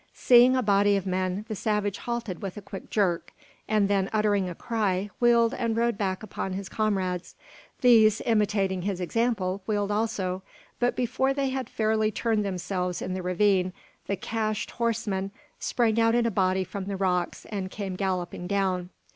Seeing a body of men, the savage halted with a quick jerk; and then, uttering a cry, wheeled and rode back upon his comrades. These, imitating his example, wheeled also; but before they had fairly turned themselves in the ravine, the "cached" horsemen sprang out in a body from the rocks and came galloping down.